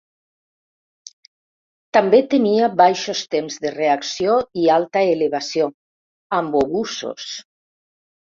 També tenia baixos temps de reacció i alta elevació, amb obusos.